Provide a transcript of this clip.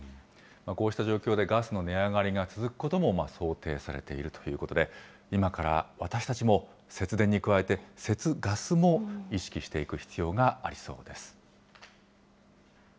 こうした状況で、ガスの値上がりが続くことも想定されているということで、今から私たちも、節電に加えて節ガスも意識していく必要がありそうです。